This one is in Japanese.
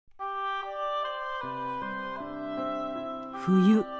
冬。